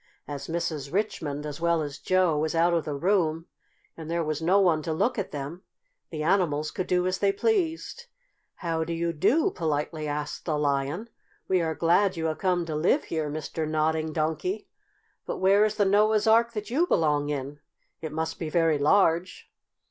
As Mrs. Richmond, as well as Joe, was out of the room, and there was no one to look at them, the animals could do as they pleased. "How do you do?" politely asked the Lion. "We are glad you have come to live here, Mr. Nodding Donkey. But where is the Noah's Ark that you belong in? It must be very large."